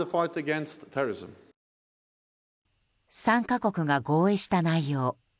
３か国が合意した内容。